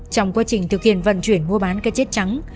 trong quá trình thực hiện vận chuyển mua bán cá chết trắng